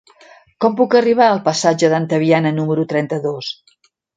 Com puc arribar al passatge d'Antaviana número trenta-dos?